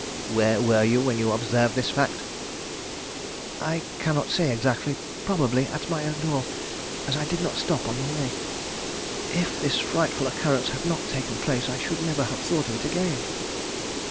"Where were you when you observed this fact?" "I cannot say exactly. Probably at my own door, as I did not stop on the way. If this frightful occurrence had not taken place I should never have thought of it again."